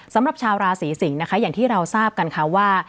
สำหรับชาวราศีสิงศ์นะคะอย่างที่เราทราบกันค่ะว่า